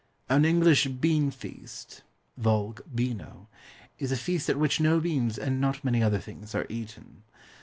An English "bean feast" (Vulg. beano) is a feast at which no beans, and not many other things, are eaten.